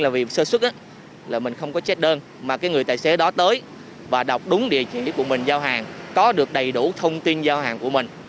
và phép tài xế đến giao hàng có được đầy đủ thông tin giao hàng của anh